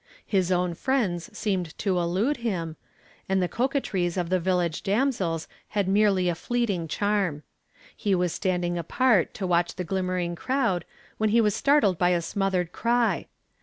His own friends seemed to elude him, and the coquetries of the village damsels had merely a fleeting charm. He was standing apart to watch the glimmering crowd when he was startled by a smothered cry.